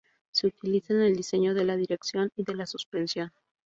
Se utiliza en el diseño de la dirección y de la suspensión.